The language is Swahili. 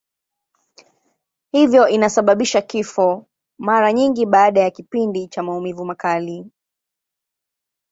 Hivyo inasababisha kifo, mara nyingi baada ya kipindi cha maumivu makali.